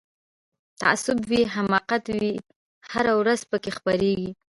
تعصب وي حماقت وي هره ورځ پکښی خپریږي